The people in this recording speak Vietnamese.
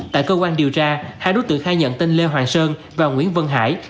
tại cơ quan điều tra hai đối tượng khai nhận tên lê hoàng sơn và nguyễn văn hải